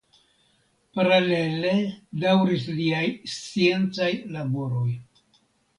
Paralele daŭris liaj sciencaj laboroj.